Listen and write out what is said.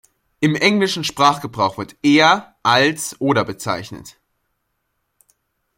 Im englischen Sprachgebrauch wird er als oder bezeichnet.